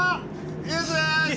ゆずです！